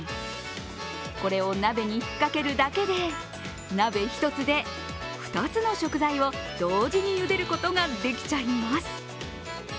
これを鍋にひっかけるだけで、鍋１つで２つの食材を同時に茹でることができちゃいます。